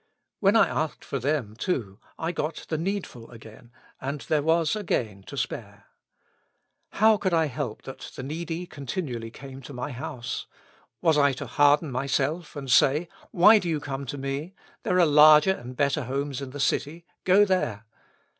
When I asked for them, too, I got the needful again, and there was again to spare. How could I help that the needy continually came to my house? Was I to harden myself, and say, Why do you come to me ? there are larger and better homes in the city, go there.